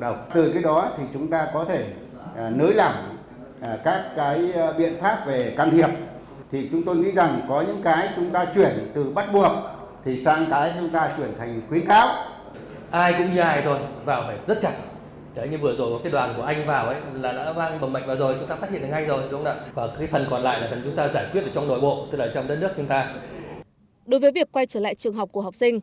đối với việc quay trở lại trường học của học sinh